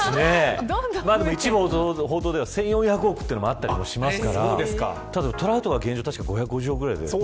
一部報道では１４００億もあったりしますからトラウトが現状、５９０億くらいで。